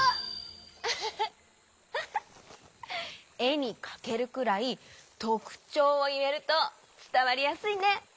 ウフフえにかけるくらいとくちょうをいえるとつたわりやすいね。